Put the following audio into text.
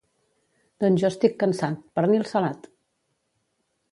Doncs jo estic cansat, pernil salat!